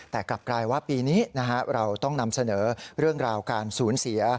แต่กลับกลายว่าปีนี้เราต้องนำเสนอเรื่องราวการสูญเสีย